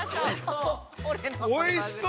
◆おいしそう。